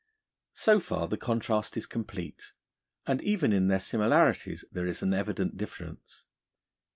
So far the contrast is complete; and even in their similarities there is an evident difference.